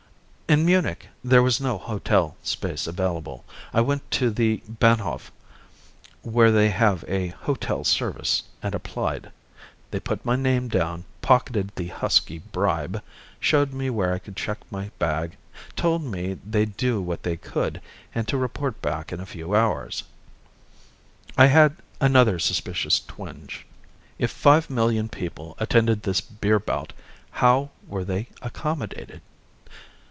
In Munich there was no hotel space available. I went to the Bahnhof where they have a hotel service and applied. They put my name down, pocketed the husky bribe, showed me where I could check my bag, told me they'd do what they could, and to report back in a few hours. I had another suspicious twinge. If five million people attended this beer bout, how were they accommodated?